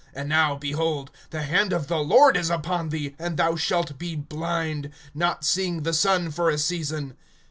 (11)And now, behold, the hand of the Lord is upon thee, and thou shalt be blind, not seeing the sun for a season.